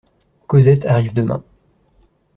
Cosette arrive demain.